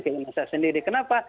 keinginan saya sendiri kenapa